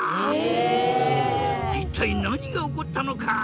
一体何が起こったのか！？